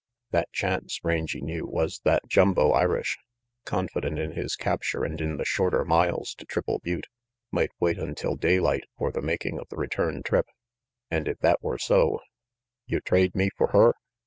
That chance, Rangy knew, was that Jumbo Irish, confident in his capture and in the shorter miles to Triple Butte, might wait until daylight for the making of the return trip. And if that were so "You trade me for her?"